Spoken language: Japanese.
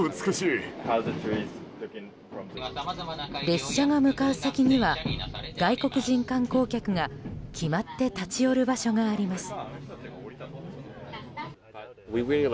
列車が向かう先には外国人観光客が決まって立ち寄る場所があります。